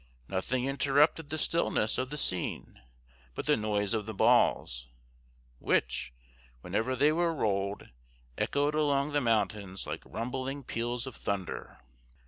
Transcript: Nothing interrupted the stillness of the scene but the noise of the balls, which, whenever they were rolled, echoed along the mountains like rumbling peals of thunder.